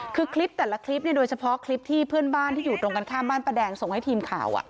คือคลิปแต่ละคลิปเนี่ยโดยเฉพาะคลิปที่เพื่อนบ้านที่อยู่ตรงกันข้ามบ้านป้าแดงส่งให้ทีมข่าว